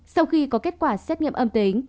sau khi có kết quả xét nghiệm âm tính